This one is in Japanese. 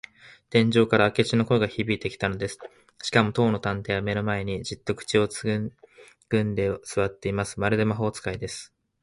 天井から明智の声がひびいてきたのです。しかも、当の探偵は目の前に、じっと口をつぐんですわっています。まるで魔法使いです。